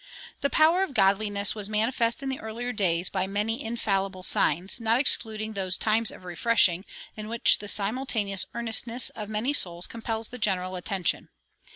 The power of godliness was manifest in the earlier days by many infallible signs, not excluding those "times of refreshing" in which the simultaneous earnestness of many souls compels the general attention.